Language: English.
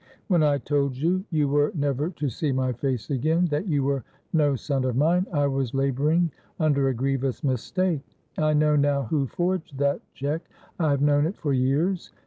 When I told you you were never to see my face again, that you were no son of mine, I was labouring under a grievous mistake. I know now who forged that cheque I have known it for years.